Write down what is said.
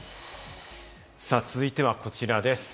続いてはこちらです。